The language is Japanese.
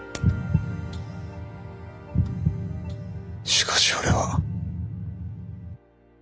しかし俺は。